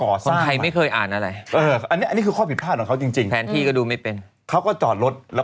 โอ้ยอย่าพูดคำนี้ออกมานะครับ